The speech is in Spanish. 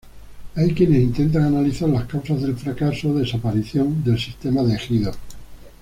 Hay quienes intentan analizar las causas del fracaso o desaparición del sistema de ejidos.